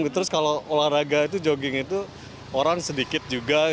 terus kalau olahraga itu jogging itu orang sedikit juga